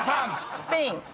「スペイン」